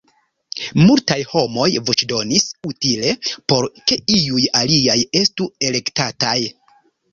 Multaj homoj voĉdonis "utile" por ke iuj aliaj estu elektataj.